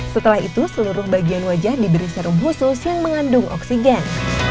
setelah itu seluruh bagian wajah diberi serum khusus yang mengandung oksigen